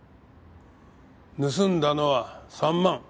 盗んだのは３万。